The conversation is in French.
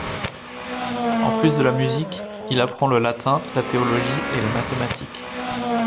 En plus de la musique, il apprend le latin, la théologie et les mathématiques.